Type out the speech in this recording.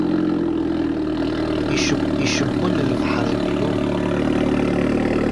Icebbel lebḥer-iw iluɣ.